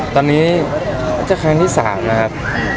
ตอนนี้จะครั้งที่๓นะครับ